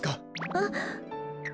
あっ。